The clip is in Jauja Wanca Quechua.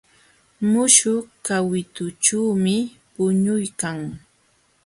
Muśhuq kawitućhuumi puñuykan.